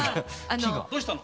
どうしたの？